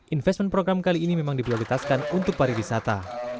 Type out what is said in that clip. investment program kali ini memang diprioritaskan untuk pariwisata